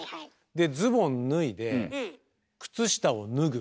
でズボン脱いで靴下を脱ぐ。